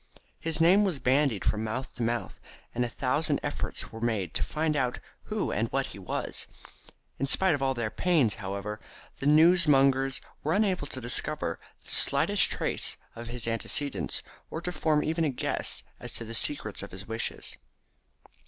His name was bandied from mouth to mouth, and a thousand efforts were made to find out who and what he was. In spite of all their pains, however, the newsmongers were unable to discover the slightest trace of his antecedents, or to form even a guess as to the secret of his riches.